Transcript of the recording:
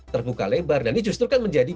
terbuka lebar dan ini justru kan menjadi